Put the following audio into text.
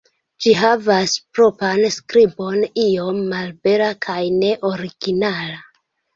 Ĝi havas propran skribon, iom malbela kaj ne originala.